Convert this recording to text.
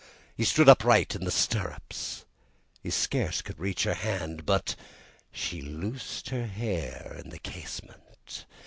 He stood upright in the stirrups; he scarce could reach her hand, But she loosened her hair in the casement!